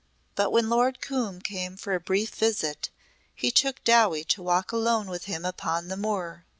But when Lord Coombe came for a brief visit he took Dowie to walk alone with him upon the moor.